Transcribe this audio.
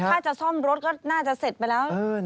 ถ้าจะซ่อมรถก็น่าจะเสร็จไปแล้ว